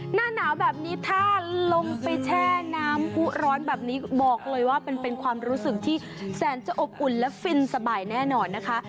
หน้าหนาวแบบนี้ถ้าลงไปแช่น้ำผู้ร้อนแบบนี้บอกเลยว่าเป็นความรู้สึกที่แสนจะอบอุ่นและฟินสบายแน่นอนนะคะ